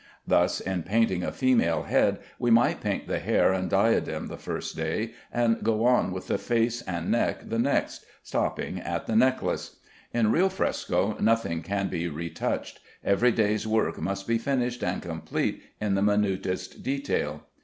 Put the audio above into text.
Thus, in painting a female head, we might paint the hair and diadem the first day, and go on with the face and neck the next, stopping at the necklace. In real fresco nothing can be retouched. Every day's work must be finished and complete in the minutest detail.